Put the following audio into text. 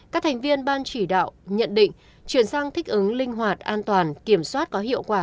các thành viên ban chỉ đạo nhận định chuyển sang thích ứng linh hoạt an toàn kiểm soát có hiệu quả